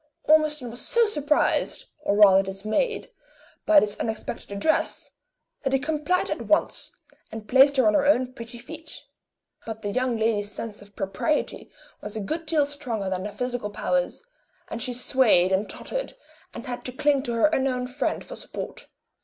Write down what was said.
Ormiston was so surprised, or rather dismayed, by this unexpected address, that he complied at once, and placed her on her own pretty feet. But the young lady's sense of propriety was a good deal stronger than her physical powers; and she swayed and tottered, and had to cling to her unknown friend for support.